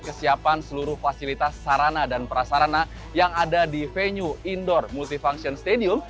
kesiapan seluruh fasilitas sarana dan prasarana yang ada di venue indoor multifunction stadium